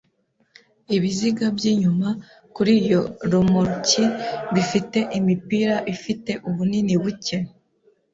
Ibiziga byinyuma kuri iyo romoruki bifite imipira ifite ubunini buke.